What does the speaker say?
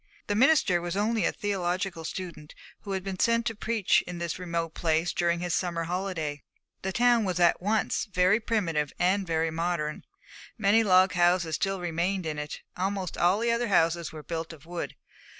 The minister was only a theological student who had been sent to preach in this remote place during his summer holiday. The town was at once very primitive and very modern. Many log houses still remained in it; almost all the other houses were built of wood.